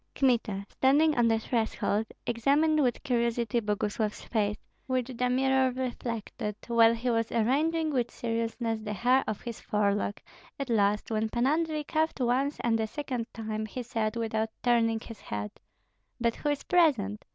Kmita, standing on the threshold, examined with curiosity Boguslav's face, which the mirror reflected, while he was arranging with seriousness the hair of his forelock; at last, when Pan Andrei coughed once and a second time, he said, without turning his head, "But who is present?